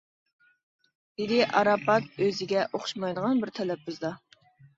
دېدى ئاراپات ئۆزىگە ئوخشىمايدىغان بىر تەلەپپۇزدا.